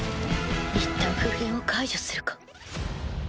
一旦不変を解除するか？